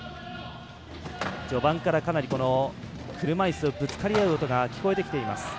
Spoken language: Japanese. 序盤からかなり車いすのぶつかり合う音が聞こえてきています。